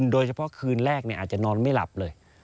โดยเฉพาะคืนแรกอาจจะนอนไม่หลับเลย